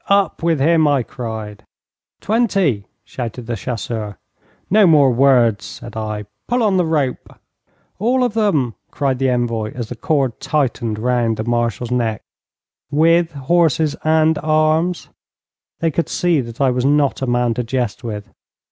'Up with him!' I cried. 'Twenty,' shouted the chasseur. 'No more words,' said I. 'Pull on the rope!' 'All of them,' cried the envoy, as the cord tightened round the Marshal's neck. 'With horses and arms?' They could see that I was not a man to jest with.